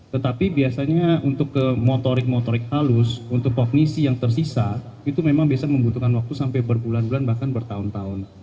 tetapi biasanya untuk motorik motorik halus untuk kognisi yang tersisa itu memang biasa membutuhkan waktu sampai berbulan bulan bahkan bertahun tahun